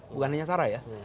bukan hanya sahara ya